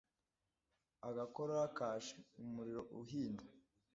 agakorora kaje ,umuriro uhinda